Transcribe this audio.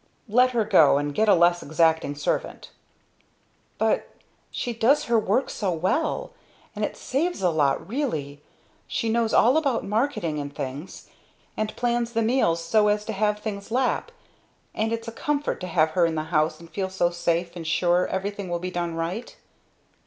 "Let her go, and get a less exacting servant." "But she does her work so well! And it saves a lot, really. She knows all about marketing and things, and plans the meals so as to have things lap, and it's a comfort to have her in the house and feel so safe and sure everything will be done right."